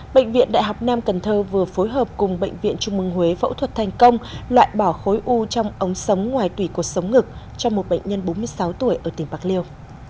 bệnh viện đại học nam cần thơ vừa phối hợp cùng bệnh viện trung mương huế phẫu thuật thành công loại bỏ khối u trong ống sống ngoài tủy cột sống ngực cho một bệnh nhân bốn mươi sáu tuổi ở tỉnh bạc liêu